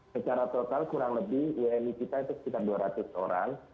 secara total kurang lebih wni kita itu sekitar dua ratus orang